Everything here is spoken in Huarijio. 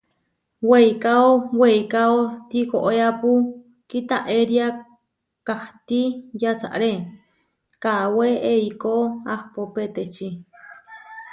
Weikáo weikáo tihoéapu kitaéria, kahtí yasaré kawé eikó ahpó peteči.